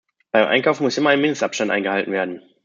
Beim Einkaufen muss immer ein Mindestabstand eingehalten werden.